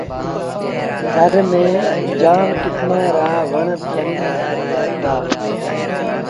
ٿر ميݩ جآم ڪسمآݩ رآ وڻ ٿئيٚݩ دآ۔